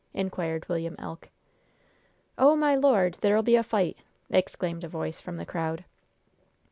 inquired William Elk. "Oh, my Lord, there'll be a fight!" exclaimed a voice from the crowd.